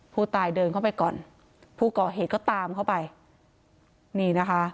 ผู้ตายเดินเข้าไปก่อนผู้ก่อเหตุก็ตามเข้าไปนี่นะคะ